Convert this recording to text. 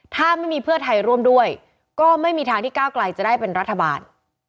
ถ้าไม่มีเพื่อไทยร่วมด้วยก็ไม่มีทางที่ก้าวไกลจะได้เป็นรัฐบาล